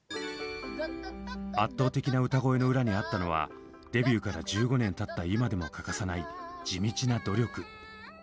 圧倒的な歌声の裏にあったのはデビューから１５年たった今でも欠かさない地道な努力。